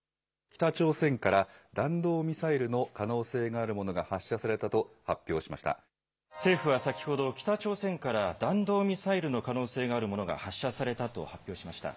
北朝鮮から弾道ミサイルの可能性があるものが発射されたと発政府は先ほど、北朝鮮から弾道ミサイルの可能性のあるものが発射されたと発表しました。